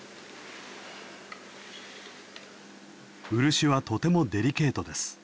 漆はとてもデリケートです。